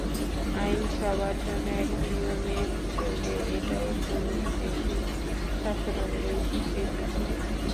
আইন সবার জন্য একই নিয়মে চলবে এটা ঔপনিবেশিক শাসনামলেই স্বীকৃতি পায়।